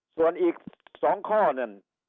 ส่วนอีก๒ข้อนั่น